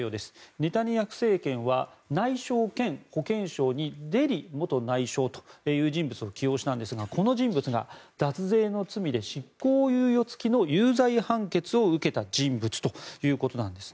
ネタニヤフ政権は内相兼保健相にデリ元内相という人物を起用したんですがこの人物が脱税の罪で執行猶予付きの有罪判決を受けた人物ということです。